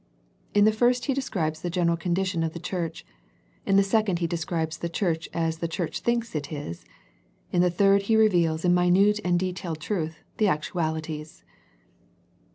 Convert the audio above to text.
In the first He describes the general condition of the church. In the second He describes the church as the church thinks it is. In the third He reveals in minute and detailed truth the actualities.